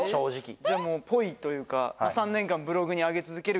じゃあもうぽいというか３年間ブログにあげ続ける